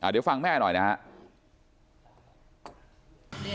เดี๋ยวฟังแม่หน่อยนะครับ